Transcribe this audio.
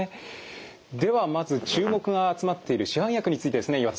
ではまず注目が集まっている市販薬についてですね岩田さん。